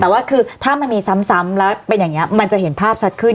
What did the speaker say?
แต่ว่าคือถ้ามันมีซ้ำแล้วเป็นอย่างนี้มันจะเห็นภาพชัดขึ้น